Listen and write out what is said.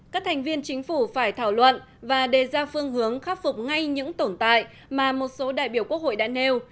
các thành viên chính phủ phải thảo luận và đề ra phương hướng khắc phục ngay những tồn tại mà một số đại biểu quốc hội đã nêu